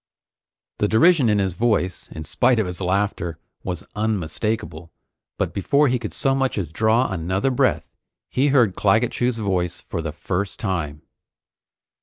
The derision in his voice, in spite of his laughter, was unmistakable, but before he could so much as draw another breath, he heard Claggett Chew's voice for the first time.